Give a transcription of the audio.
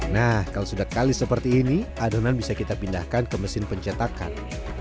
nah kalau sudah kali seperti ini adonan bisa kita pindahkan ke mesin pencetakan